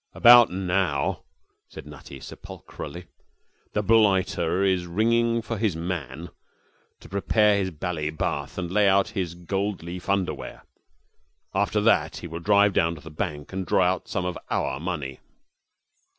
'About now,' said Nutty, sepulchrally, 'the blighter is ringing for his man to prepare his bally bath and lay out his gold leaf underwear. After that he will drive down to the bank and draw some of our money.'